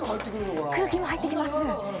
空気も入ってきます。